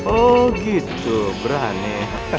oh gitu berani